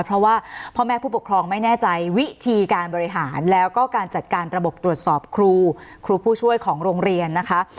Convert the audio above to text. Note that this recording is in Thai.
เพราะว่าพ่อแม่ผู้ปกครองไม่แน่ใจวิธีการบริหารแล้วก็การจัดการระบบตรวจสอบครูครูผู้ช่วยของโรงเรียนนะคะ